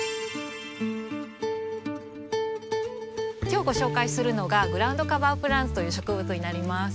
今日ご紹介するのがグラウンドカバープランツという植物になります。